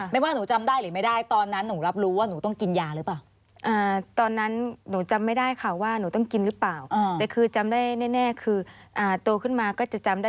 ไม่ว่าหนูจำได้หรือไม่ได้ตอนนั้นหนูรับรู้หรือเปล่า